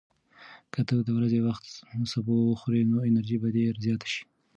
که ته د ورځې وختي سبو وخورې، نو انرژي به دې زیاته شي.